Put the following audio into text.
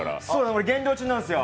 俺、減量中なんですよ。